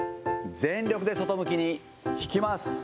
全力で外向きに引きます。